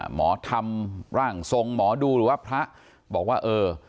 หมอธรรมร่างทรงหมอดูหรือว่าพระบอกว่าเออ